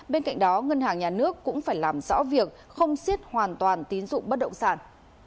bên cạnh đó ngân hàng nhà nước cũng phải làm rõ việc không xiết hoàn toàn tín dụng bất động sản